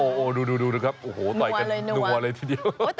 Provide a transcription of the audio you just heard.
โอ้โหดูครับโอ้โหต่อยกันนัวเลยทีเดียว